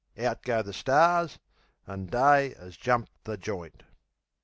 Out go the stars; an' Day 'as jumped the joint.